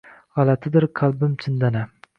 “G’alatidir qalbim chindanam